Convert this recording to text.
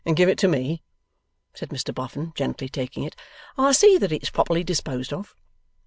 'Give it to me,' said Mr Boffin, gently taking it. 'I'll see that it's properly disposed of.